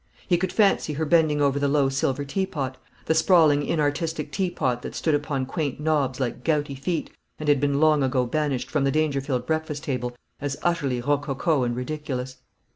He could fancy her bending over the low silver teapot, the sprawling inartistic teapot, that stood upon quaint knobs like gouty feet, and had been long ago banished from the Dangerfield breakfast table as utterly rococo and ridiculous.